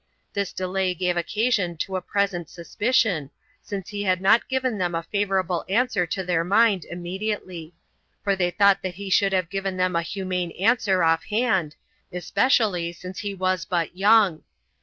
This delay gave occasion to a present suspicion, since he had not given them a favorable answer to their mind immediately; for they thought that he should have given them a humane answer off hand, especially since he was but young.